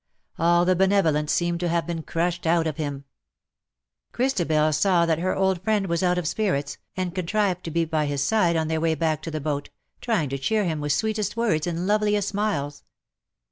All the benevolence seemed to have been crushed out of him. Christabel saw that her old friend was out of spirits, and contrived to be by his side on their way IN SOCIETY. 185 back to the boat, trying to cheer him with sweetest words and loveliest smiles.